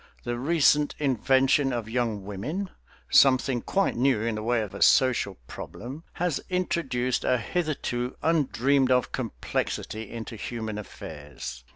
The recent invention of young women, something quite new in the way of a social problem, has introduced a hitherto undreamed of complexity into human affairs.